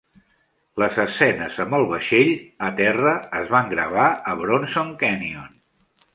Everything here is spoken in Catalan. Les escenes amb el vaixell a terra es van gravar a Bronson Canyon.